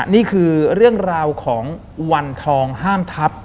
นี่คือเรื่องราวของวันทองห้ามทัพ